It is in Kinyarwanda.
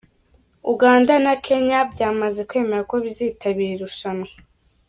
Uganda na Kenya byamaze kwemera ko bizitabira irushanwa.